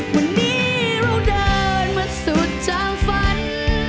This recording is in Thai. วันนี้เราเดินมาสุดเจ้าฝัน